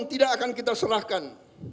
tidak akan kita serahkan